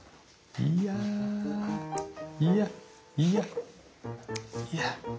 いやいやいやいや。